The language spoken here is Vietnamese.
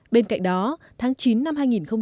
bên cạnh đó tháng chín năm hai nghìn một mươi chín